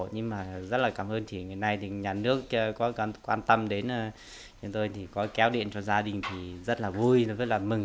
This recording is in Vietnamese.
nhưng mà rất là cảm ơn chị này nhà nước có quan tâm đến chúng tôi thì có kéo điện cho gia đình thì rất là vui rất là mừng